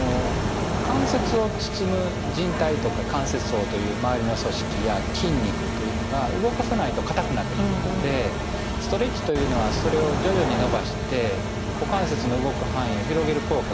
関節を包むじん帯とか関節包という周りの組織や筋肉というのが動かさないと硬くなってくるのでストレッチというのはそれを徐々に伸ばして股関節の動く範囲を広げる効果があります。